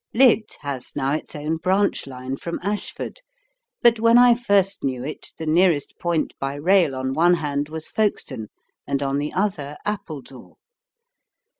Lydd has now its own branch line from Ashford, but when I first knew it the nearest point by rail on one hand was Folkestone, and on the other Appledore.